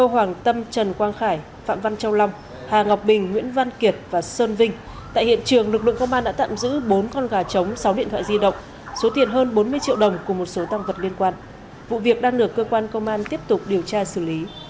hà ngọc bình nguyễn văn kiệt và sơn vinh tại hiện trường lực lượng công an đã tạm giữ bốn con gà trống sáu điện thoại di động số tiền hơn bốn mươi triệu đồng cùng một số tăng vật liên quan vụ việc đang được cơ quan công an tiếp tục điều tra xử lý